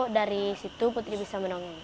dari situ putri bisa menang